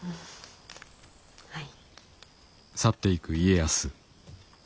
はい。